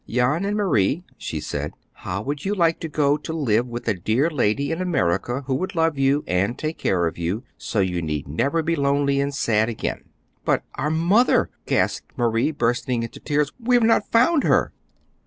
"Jan and Marie," she said, "how would you like to go to live with a dear lady in America who would love you, and take care of you, so you need never be lonely and sad again?" "But our mother!" gasped Marie, bursting into tears. "We have not found her!"